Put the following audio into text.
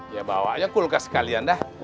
ya bawa aja kulkas kalian dah